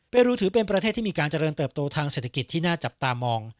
รูถือเป็นประเทศที่มีการเจริญเติบโตทางเศรษฐกิจที่น่าจับตามอง